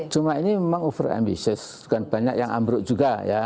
cuma ini memang over ambitious banyak yang ambruk juga